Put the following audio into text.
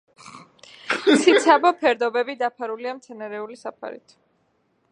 ციცაბო ფერდობები დაფარულია მცენარეული საფარით.